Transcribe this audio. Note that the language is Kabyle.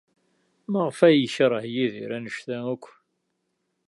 Maɣef ay yekṛeh Yidir anect-a akk?